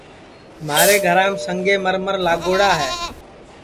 مھارے گھرام سنگے مرمر لاگوڑا ہے